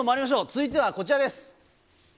続いてはこちらです。